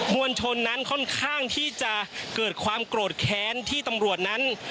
วลชนนั้นค่อนข้างที่จะเกิดความโกรธแค้นที่ตำรวจนั้น